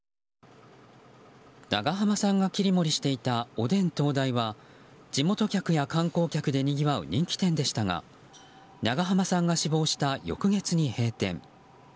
長濱さんが切り盛りしていたおでん東大は地元客や観光客でにぎわう人気店でしたが長濱さんが死亡した翌月に閉店。